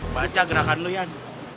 baca gerakan lo yan